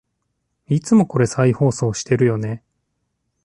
いつもこれ再放送してるよね